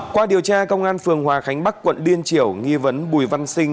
qua điều tra công an phường hòa khánh bắc quận liên triểu nghi vấn bùi văn sinh